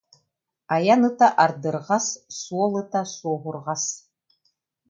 «Айан ыта ардырҕас, суол ыта суоһурҕас»